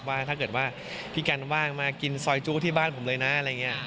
ว่าถ้าเกิดว่าพี่กัลบ้างมากินซอยจุ๊กที่บ้านผมเลยนะ